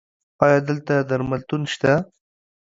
ایا دلته درملتون شته؟